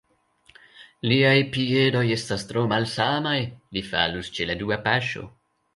Liaj piedoj estas tro malsanaj: li falus ĉe la dua paŝo.